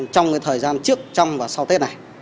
trong thời gian trước trong và sau tết này